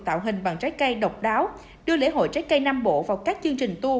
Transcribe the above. tạo hình bằng trái cây độc đáo đưa lễ hội trái cây nam bộ vào các chương trình tour